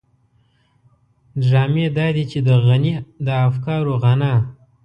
ډرامې دادي چې د غني د افکارو غنا.